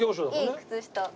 いい靴下。